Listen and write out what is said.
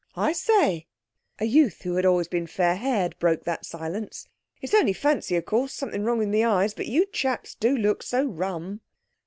"I say," a youth who had always been fair haired broke that silence, "it's only fancy of course—something wrong with my eyes—but you chaps do look so rum."